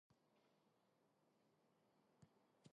ელაპარაკე რეგვენსაო ურახუნე კედელსაო